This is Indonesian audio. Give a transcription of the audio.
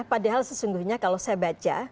padahal sesungguhnya kalau saya baca